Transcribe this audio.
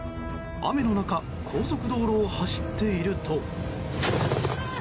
雨の中高速道路を走っていると。